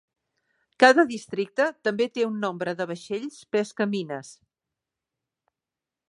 Cada districte també té un nombre de vaixells pescamines.